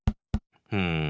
うん。